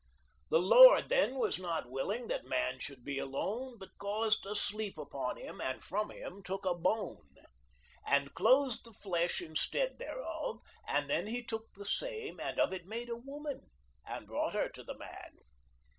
The Lord then was not willing That man should be alone. But caused asleep upon him, And from him toolc a bone. And closed the flesh instead thereof, And then he took the same And of it made a woman. And brought her to the man.